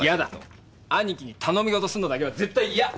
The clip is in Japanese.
兄貴に頼み事するのだけは絶対にイヤッ！